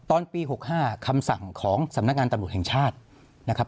ตอนปี๖๕คำสั่งของสำนักงานตำรวจแห่งชาตินะครับ